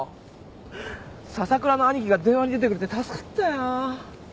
笹倉の兄貴が電話に出てくれて助かったよ。